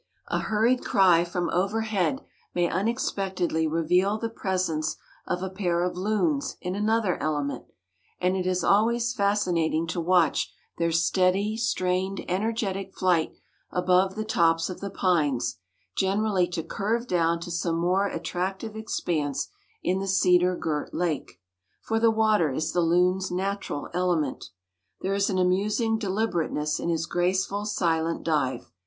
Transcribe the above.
A hurried cry from overhead may unexpectedly reveal the presence of a pair of loons in another element, and it is always fascinating to watch their steady, strained, energetic flight above the tops of the pines, generally to curve down to some more attractive expanse in the cedar girt lake. For the water is the loon's natural element. There is an amusing deliberateness in his graceful, silent dive.